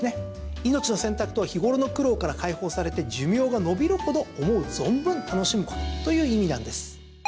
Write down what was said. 命の洗濯とは日頃の苦労から解放されて寿命が延びるほど思う存分楽しむことという意味なんです。